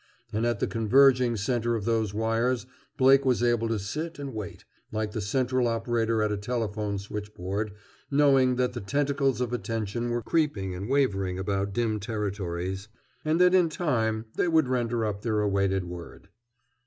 And at the converging center of those wires Blake was able to sit and wait, like the central operator at a telephone switchboard, knowing that the tentacles of attention were creeping and wavering about dim territories and that in time they would render up their awaited word.